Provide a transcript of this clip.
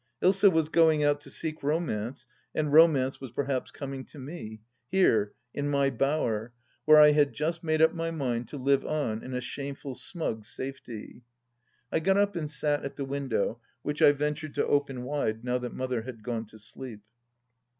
Ilsa was going out to seek Romance, and Romance was perhaps coming to me ... here ... in my Bower, where I had just made up my mind to live on in a shameful smug safety. ... I got up and sat at the window, which I ventured to open wide now that Mother had gone to sleep.